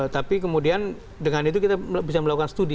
tapi kemudian dengan itu kita bisa melakukan studi